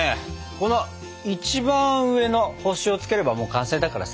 この一番上の星をつければもう完成だからさ！